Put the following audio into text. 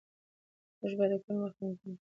موږ باید د کورنۍ وخت تنظیم کړو